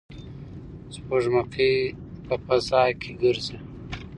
سپوږمکۍ په فضا کې ګرځي.